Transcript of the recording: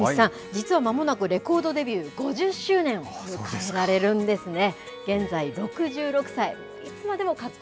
実はまもなくレコードデビュー５０周年を迎えられるんですね。